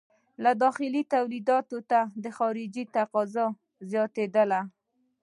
له داخلي تولیداتو ته د خارجې تقاضا زیاتېدل.